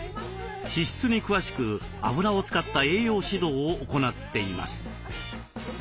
脂質に詳しくあぶらを使った栄養指導を行っています。